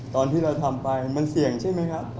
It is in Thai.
ตอนที่เราทำไปมันเสี่ยงใช่ไหมครับ